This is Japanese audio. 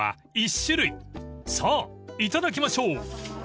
［さあいただきましょう］